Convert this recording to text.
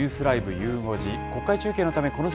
ゆう５時。